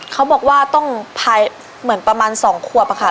เขาบอกว่าต้องภายเหมือนประมาณ๒ขวบค่ะ